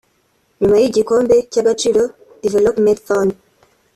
nyuma y’igikombe cy’Agaciro Development Fund